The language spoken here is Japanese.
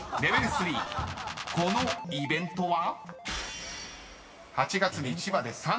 ．３このイベントは？］